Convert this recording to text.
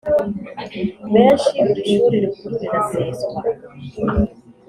menshi buri shuri rikuru riraseswa